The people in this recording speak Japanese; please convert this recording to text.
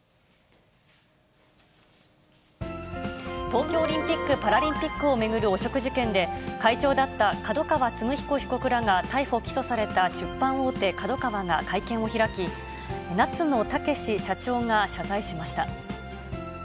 東京オリンピック・パラリンピックを巡る汚職事件で、会長だった角川歴彦被告らが逮捕・起訴された出版大手、ＫＡＤＯＫＡＷＡが会見を開き、夏野剛社長が謝罪しました。